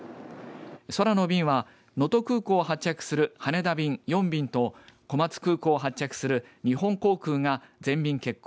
空の便は能登空港を発着する羽田便４便と小松空港を発着する日本航空が全便欠航。